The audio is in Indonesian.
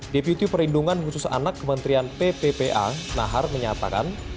deputi perlindungan khusus anak kementerian pppa nahar menyatakan